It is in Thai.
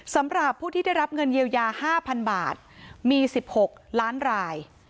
สำหรับผู้ที่ได้รับเงินเยียวยา๕๐๐๐บาทมี๑๖ล้านราย